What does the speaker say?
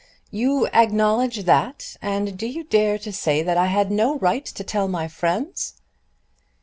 "You acknowledge that, and do you dare to say that I had no right to tell my friends?"